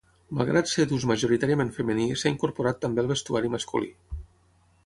Malgrat ser d'ús majoritàriament femení s'ha incorporat també al vestuari masculí.